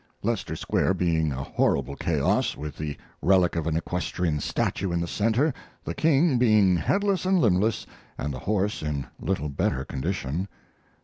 [Leicester Square being a horrible chaos, with the relic of an equestrian statue in the center, the king being headless and limbless, and the horse in little better condition.